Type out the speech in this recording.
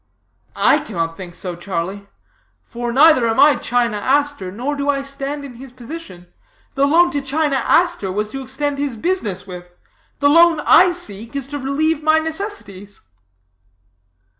"I cannot think so, Charlie; for neither am I China Aster, nor do I stand in his position. The loan to China Aster was to extend his business with; the loan I seek is to relieve my necessities."